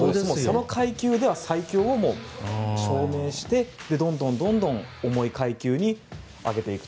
その階級では最強を証明してどんどん重い階級に上げていくと。